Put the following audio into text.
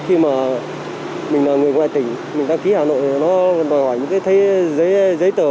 khi mà mình là người ngoài tỉnh mình đăng ký hà nội nó đòi hỏi những cái giấy tờ